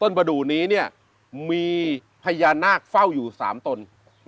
ต้นบรรดูนิเนี่ยมีพญานาคเฝ้าอยู่๓ต้น